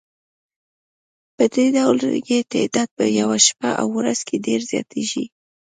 پدې ډول یې تعداد په یوه شپه او ورځ کې ډېر زیاتیږي.